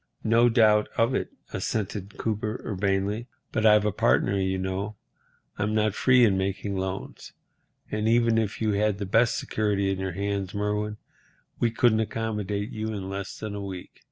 "No doubt of it," assented Cooper, urbanely, "but I've a partner, you know. I'm not free in making loans. And even if you had the best security in your hands, Merwin, we couldn't accommodate you in less than a week.